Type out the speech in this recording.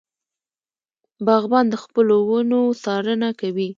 باغبان د خپلو ونو څارنه کوي.